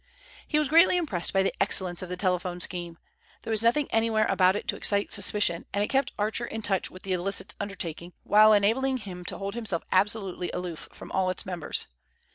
He was greatly impressed by the excellence of the telephone scheme. There was nothing anywhere about it to excite suspicion, and it kept Archer in touch with the illicit undertaking, while enabling him to hold himself absolutely aloof from all its members.